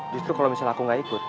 justru kalau misalnya aku gak ikut